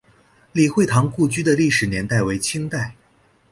李惠堂故居的历史年代为清代。